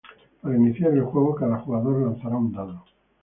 Para iniciar el juego cada jugador lanzará un dado.